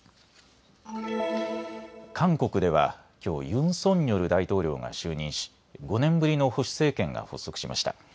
韓国ではきょうユン・ソンニョル大統領が就任し５年ぶりの保守政権が発足しました。